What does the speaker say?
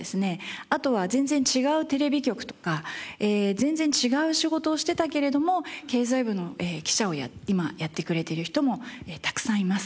あとは全然違うテレビ局とか全然違う仕事をしてたけれども経済部の記者を今やってくれている人もたくさんいます。